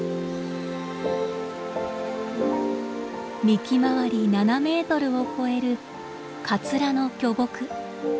幹回り７メートルを超えるカツラの巨木。